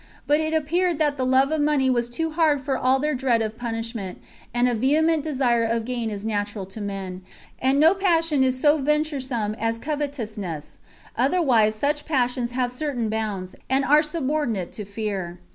But it appeared that the love of money was too hard for all their dread of punishment, and a vehement desire of gain is natural to men, and no passion is so venturesome as covetousness; otherwise such passions have certain bounds, and are subordinate to fear.